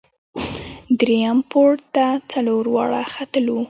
درییم پوړ ته څلور واړه ختلو.